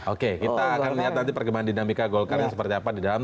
oke kita akan lihat nanti perkembangan dinamika golkar yang seperti apa di dalam